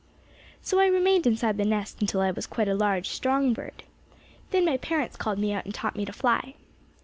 "So I remained inside the nest until I was quite a large, strong bird. Then my parents called me out and taught me to fly.